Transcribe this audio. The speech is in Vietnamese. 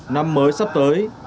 năm mới sắp tới